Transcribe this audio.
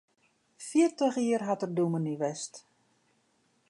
Fjirtich jier hat er dûmny west.